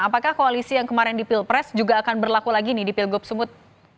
apakah koalisi yang kemarin di pilpres juga akan berlaku lagi nih di pilgub sumut